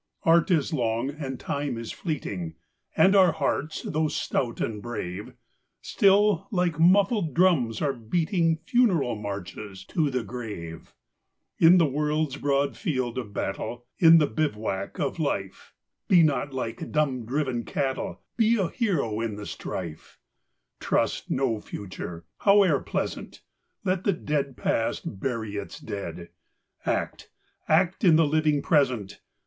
Art is long, and Time is fleeting, And our hearts, though stout and brave, Still, like muffled drums, are beating Funeral marches to the grave. In the world's broad field of battle, In the bivouac of Life, Be not like dumb, driven cattle ! Be a hero in the strife ! Trust no Future, howe'er pleasant ! Let the dead Past bury its dead ! Act, — act in the living Present